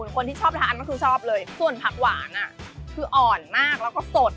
คนที่ชอบทานก็คือชอบเลยส่วนผักหวานคืออ่อนมากแล้วก็สด